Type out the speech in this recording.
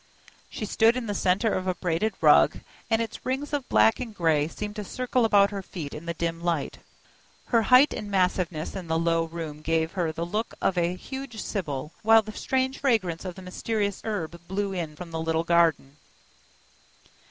She stood in the centre of a braided rug, and its rings of black and gray seemed to circle about her feet in the dim light. Her height and massiveness in the low room gave her the look of a huge sibyl, while the strange fragrance of the mysterious herb blew in from the little garden.